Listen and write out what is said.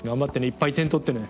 いっぱい点取ってね。